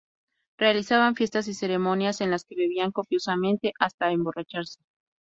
Realizaban fiestas y ceremonias en las que bebían copiosamente hasta emborracharse.